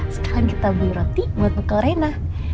sekarang kita beli roti buat buka arena